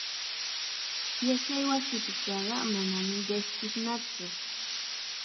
Yachaywasipitaqa manam qishpinatsu.